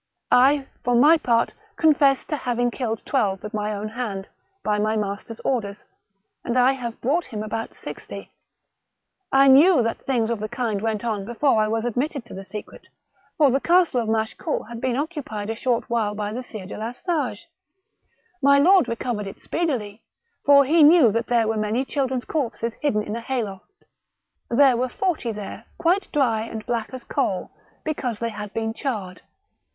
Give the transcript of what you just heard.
I, for my part, confess to Laving killed twelve with my own hand, by my master's orders, and I have brought him about sixty. I knew that things of the kind went on before I was admitted to the secret ; for the castle of Machecoul had been occu pied a short while by the Sire de la Sage. My lord recovered it speedily, for he knew that there were many children's corpses hidden in a hayloft. There were forty there quite dry and black as coal, because they had been charred.